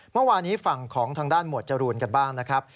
เมื่อวานี้ฝั่งของทางด้านหมวดจรูนกันบ้างนะครับ